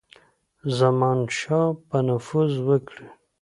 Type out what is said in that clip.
زمانشاه به نفوذ وکړي.